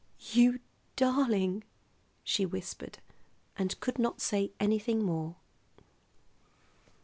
"You darling!" she whispered, and could not say anything more.